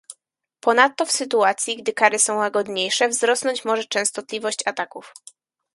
Ponadto w sytuacji gdy kary są łagodniejsze wzrosnąć może częstotliwość ataków